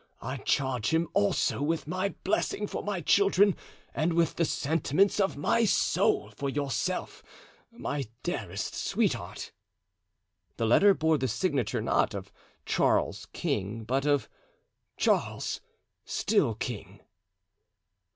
I charge him also with my blessing for my children and with the sentiments of my soul for yourself, my dearest sweetheart." The letter bore the signature, not of "Charles, King," but of "Charles—still king."